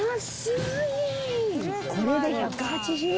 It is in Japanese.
これで１８０円。